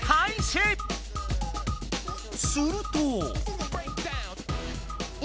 すると。